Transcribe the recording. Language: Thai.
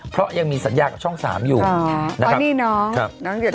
เพราะยังมีสัญญาช่อง๓อยู่อ๋อนี่น้องน้องหยดน้ำ